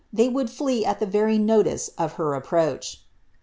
They would flee at the very notice of her approach."